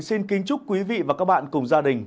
xin kính chúc quý vị và các bạn cùng gia đình